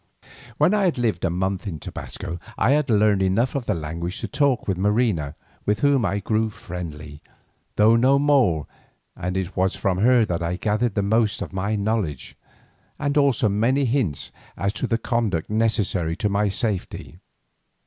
When I had lived a month in Tobasco I had learned enough of the language to talk with Marina, with whom I grew friendly, though no more, and it was from her that I gathered the most of my knowledge, and also many hints as to the conduct necessary to my safety.